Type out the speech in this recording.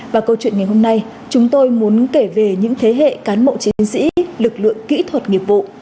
và câu chuyện ngày hôm nay chúng tôi muốn kể về những thế hệ cán bộ chiến sĩ lực lượng kỹ thuật nghiệp vụ